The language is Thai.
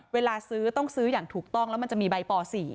เวลาซื้อต้องซื้ออย่างถูกต้องแล้วมันจะมีใบป๔